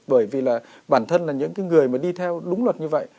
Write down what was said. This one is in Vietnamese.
bởi vì là bản thân là những cái người mà đi theo đúng luật như vậy